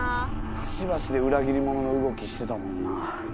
端々で裏切り者の動きしてたもんな。